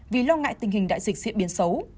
vì lo ngại tình hình đại dịch diễn biến xấu